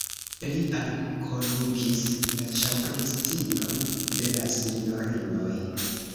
Li alkondukis la ĉambristinon de la sinjorinoj.